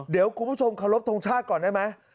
เดี๋ยวคุณผู้ชมเคารพทงชาติก่อนได้ไหม